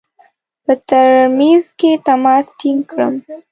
په ترمیز کې تماس ټینګ کړم.